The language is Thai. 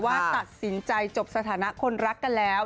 ตัดสินใจจบสถานะคนรักกันแล้ว